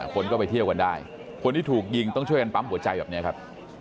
คนก็ไปเที่ยวกันได้คนที่ถูกยิงต้องช่วยกันปั๊มหัวใจแบบนี้ครับ